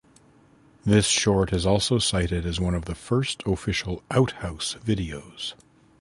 This short is also cited as one of the first official "Outhouse" videos.